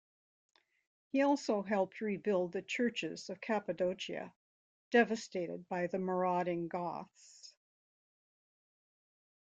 He also helped rebuild the churches of Cappadocia, devastated by the marauding Goths.